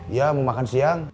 iya mau makan siang